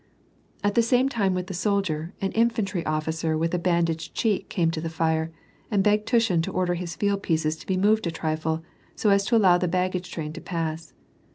At the same time with the soldier, an infantry officer with a bandaged cheek came to the fire, and begged Tushin to order his field pieces to be moved a trifle, so as to allow the baggage train to pass.